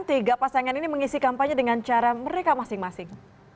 tiga pasangan ini mengisi kampanye dengan cara mereka masing masing